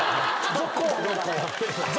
続行。